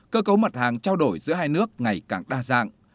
cơ cấu mật hàng trao đổi giữa hai nước ngày càng đa dạng